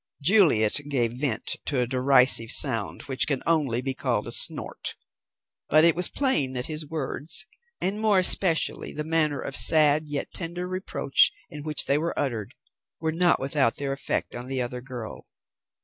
Juliet gave vent to a derisive sound which can only be called a snort; but it was plain that his words, and more especially the manner of sad yet tender reproach in which they were uttered, were not without their effect on the other girl.